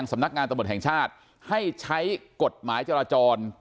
สำนักงานตำรวจแห่งชาติให้ใช้กฎหมายจราจร